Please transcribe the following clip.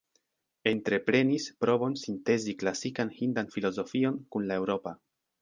Entreprenis provon sintezi klasikan hindan filozofion kun la eŭropa.